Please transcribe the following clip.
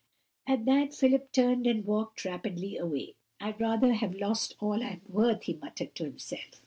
At that Philip turned and walked rapidly away. "I'd rather have lost all I'm worth!" he muttered to himself.